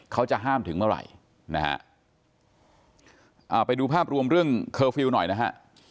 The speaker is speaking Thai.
เขาจะห้ามถึงเมื่อไหร่นะฮะอ่าไปดูภาพรวมเรื่องเคอร์ฟิลล์หน่อยนะฮะ